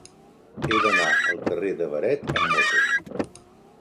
He d'anar al carrer de Beret amb moto.